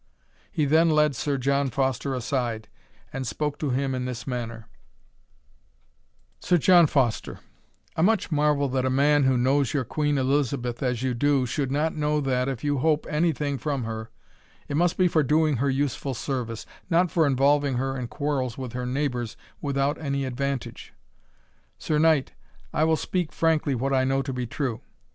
He then led Sir John Foster aside, and spoke to him in this manner: "Sir John Foster, I much marvel that a man who knows your Queen Elizabeth as you do, should not know that, if you hope any thing from her, it must be for doing her useful service, not for involving her in quarrels with her neighbours without any advantage. Sir Knight, I will speak frankly what I know to be true.